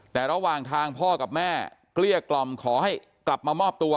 แต่ระหว่างทางพ่อกับแม่เกลี้ยกล่อมขอให้กลับมามอบตัว